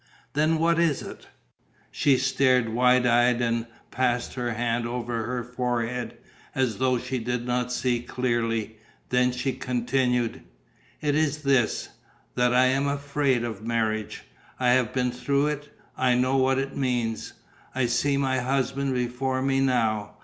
Then what is it?..." She stared wide eyed and passed her hand over her forehead, as though she did not see clearly. Then she continued: "It is this, that I am afraid of marriage. I have been through it, I know what it means.... I see my husband before me now.